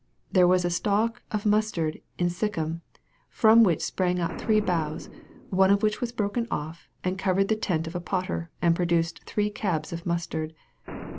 " There was a stalk of mustard in Sichim, from which sprang out three boughs, one of v/hich was broken off, and covered the tent of a potter, and produced three cabs of mustard."